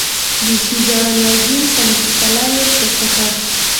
د ايښې زاړه لرګين صندوق پله يې پورته کړه.